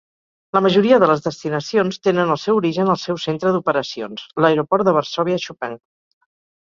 La majoria de les destinacions tenen el seu origen al seu centre d'operacions, l'aeroport de Varsòvia Chopin.